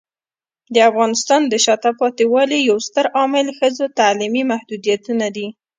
د افغانستان د شاته پاتې والي یو ستر عامل ښځو تعلیمي محدودیتونه دي.